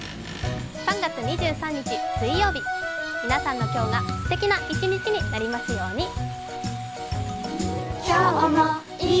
３月２３日水曜日、皆さんの今日がすてきな一日になりますように。